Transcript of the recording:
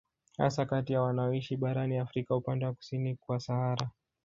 Hasa kati ya wanaoishi barani Afrika upande wa kusini kwa Sahara